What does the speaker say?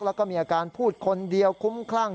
แล้วก็มีอาการพูดคนเดียวคุ้มคลั่ง